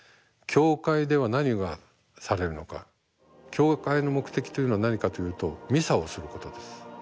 教会の目的というのは何かというとミサをすることです。